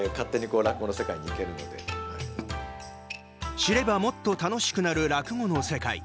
知ればもっと楽しくなる落語の世界。